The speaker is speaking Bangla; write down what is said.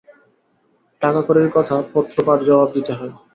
টাকাকড়ির কথা পত্রপাঠ জবাব দিতে হয়।